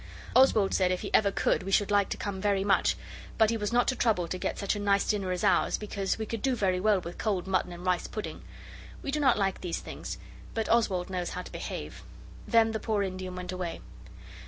Oswald said if he ever could we should like to come very much, but he was not to trouble to get such a nice dinner as ours, because we could do very well with cold mutton and rice pudding. We do not like these things, but Oswald knows how to behave. Then the poor Indian went away.